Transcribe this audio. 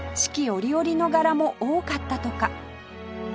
折々の柄も多かったとか